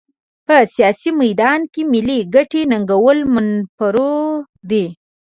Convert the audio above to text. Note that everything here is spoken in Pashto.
په سیاسي میدان کې ملي ګټې ننګول منفور دي.